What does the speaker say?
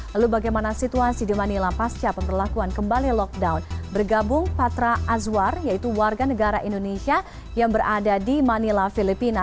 lalu bagaimana situasi di manila pasca pemberlakuan kembali lockdown bergabung patra azwar yaitu warga negara indonesia yang berada di manila filipina